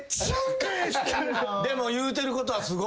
でも言うてることはすごい。